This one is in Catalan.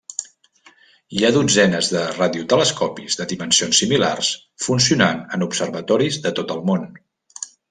Hi ha dotzenes de radiotelescopis de dimensions similars funcionant en observatoris de tot el món.